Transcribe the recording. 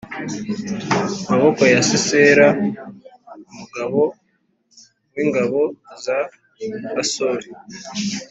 maboko ya Sisera umugaba w ingabo za Hasori